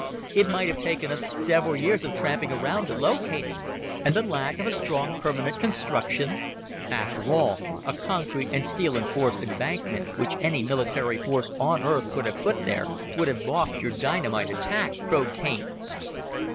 It might have taken us several years of tramping around to locate it." "And the lack of a strong permanent construction? After all, a concrete and steel enforced embankment, which any military force on Earth could have put there, would have balked your dynamite attack," probed Haines.